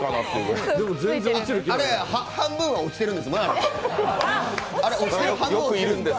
半分は落ちてるんですね？